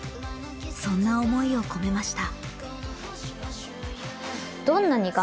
そんな思いを込めました。